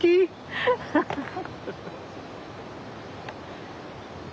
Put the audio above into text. ハハハハハ。